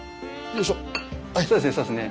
そうですねそうですね。